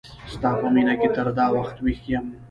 ستا په مینه کی تر دا وخت ویښ یم